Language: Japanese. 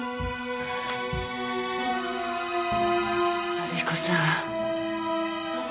春彦さん。